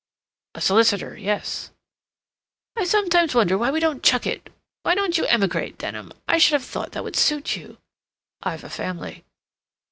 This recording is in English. "A solicitor, yes." "I sometimes wonder why we don't chuck it. Why don't you emigrate, Denham? I should have thought that would suit you." "I've a family."